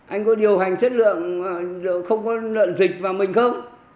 anh có điều hành chất lượng không có lợn dịch vào mình không